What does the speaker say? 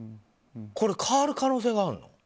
これ、変わる可能性があるの？